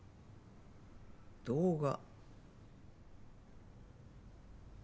動画。